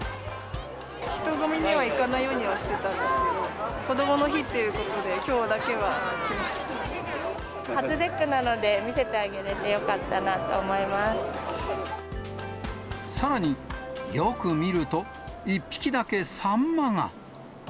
人混みには行かないようにはしてたんですけど、こどもの日っていうことで、きょうだけは来ま初節句なので、見せてあげれさらに、よく見ると１匹だけサンマが。